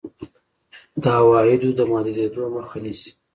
د عوایدو د محدودېدو مخه نیسي.